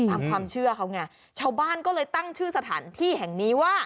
ตามความเชื่อเขาไงชาวบ้านก็เลยตั้งชื่อสถานที่แห่งนี้ว่า